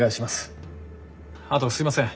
あとすいません